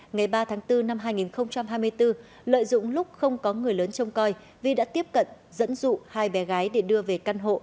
ngày ba tháng bốn năm hai nghìn hai mươi bốn lợi dụng lúc không có người lớn trông coi vi đã tiếp cận dẫn dụ hai bé gái để đưa về căn hộ